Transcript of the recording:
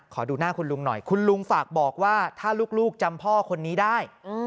ขอดูหน้าคุณลุงหน่อยคุณลุงฝากบอกว่าถ้าลูกจำพ่อคนนี้ได้